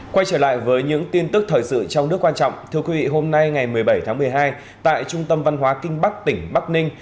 quay trở lại với những tin tức thời sự trong nước quan trọng thưa quý vị hôm nay ngày một mươi bảy tháng một mươi hai tại trung tâm văn hóa kinh bắc tỉnh bắc ninh